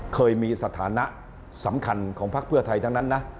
เคยมีสถานะสำคัญของพักเพื่อไทยทั้งนั้นนะ